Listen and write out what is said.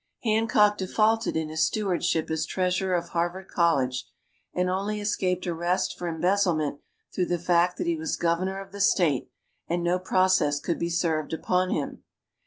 Hancock defaulted in his stewardship as Treasurer of Harvard College, and only escaped arrest for embezzlement through the fact that he was Governor of the State, and no process could be served upon him.